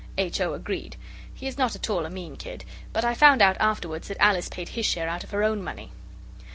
H. O. agreed: he is not at all a mean kid, but I found out afterwards that Alice paid his share out of her own money.